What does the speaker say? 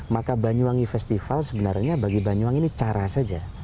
maka banyuwangi festival sebenarnya bagi banyuwangi ini cara saja